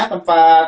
tempat apa ya